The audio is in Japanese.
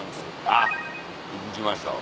あっ行きましたわ。